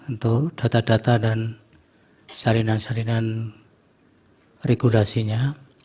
untuk data data dan sarinan salinan regulasinya